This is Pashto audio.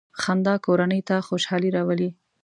• خندا کورنۍ ته خوشحالي راولي.